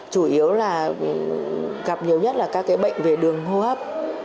chủ yếu là gặp nhiều nhất là các bệnh về đường hô hấp